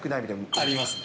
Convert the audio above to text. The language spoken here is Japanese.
ありますね。